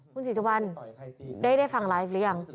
คุณศรีสุวรรณได้ฟังไลฟ์หรือยัง